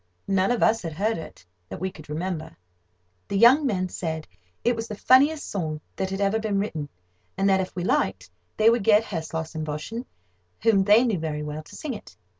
None of us had heard it, that we could remember. The young men said it was the funniest song that had ever been written, and that, if we liked, they would get Herr Slossenn Boschen, whom they knew very well, to sing it.